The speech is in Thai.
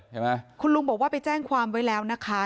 เห็นไหมคุณลุงบอกว่าไปแจ้งความไว้แล้วนะคะ